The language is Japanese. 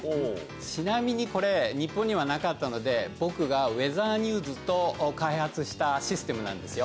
ちなみにこれ、日本にはなかったので、僕がウェザーニューズと開発したシステムなんですよ。